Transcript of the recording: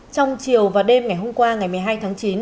trong chiều và đêm ngày hôm qua ngày một mươi hai tháng chín